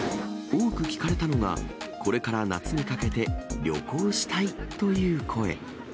多く聞かれたのがこれから夏にかけて、旅行したいという声。